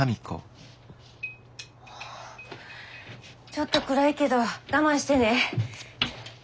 ちょっと暗いけど我慢してね。